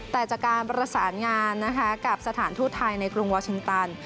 แต่จากการประสานงานนะคะกับสถานทูตไทยในกรุงวาชินตัน